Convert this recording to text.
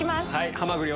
ハマグリ